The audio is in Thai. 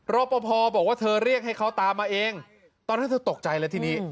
รอปภบอกว่าเธอเรียกให้เขาตามมาเองตอนนั้นเธอตกใจเลยทีนี้